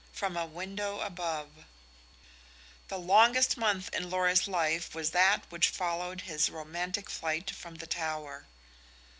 FROM A WINDOW ABOVE The longest month in Lorry's life was that which followed his romantic flight from the Tower.